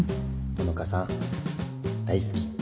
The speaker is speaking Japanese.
穂香さん大好き